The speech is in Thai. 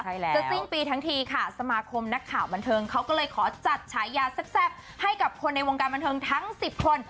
ใช่แล้วจะสิ้นปีทั้งทีค่ะสมาคมนักข่าวบันเทิงเขาก็เลยขอจัดฉายาแซ่บให้กับคนในวงการบันเทิงทั้ง๑๐คน